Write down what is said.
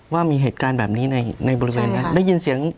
ว่ามีเหตุการณ์แบบนี้ในในบริเวณนั้นได้ยินเสียง